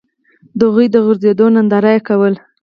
د هغوی د غورځېدو ننداره یې کوله.